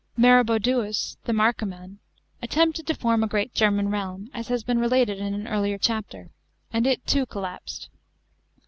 Maroboduus, the Marcoman, attempted to form a great German realm, as has been related in an earlier chapter,! and it too collapsed.